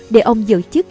để ông giữ chức